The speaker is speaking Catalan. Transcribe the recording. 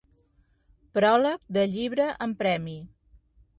Pròleg de llibre amb premi.